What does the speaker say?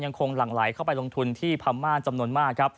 ยังคงหลั่งไหลเข้าไปลงทุนที่พามาร์จำนวนมาก